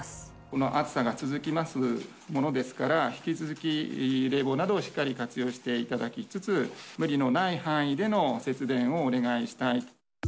この暑さが続きますものですから、引き続き冷房などをしっかり活用していただきつつ、無理のない範囲での節電をお願いしたい。